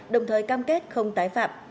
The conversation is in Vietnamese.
đồng thời cam kết không tái phạm